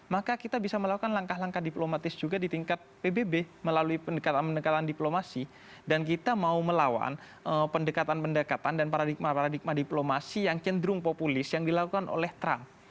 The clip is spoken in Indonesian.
maka kita bisa melakukan langkah langkah diplomatis juga di tingkat pbb melalui pendekatan pendekatan diplomasi dan kita mau melawan pendekatan pendekatan dan paradigma paradigma diplomasi yang cenderung populis yang dilakukan oleh trump